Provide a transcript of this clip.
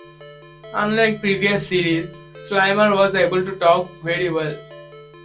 Unlike previous series, Slimer was able to talk very well.